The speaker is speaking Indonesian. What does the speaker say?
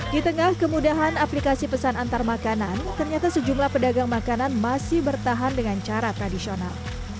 di tengah kemudahan aplikasi pesan antar makanan ternyata sejumlah pedagang makanan masih bertahan dengan cara tradisional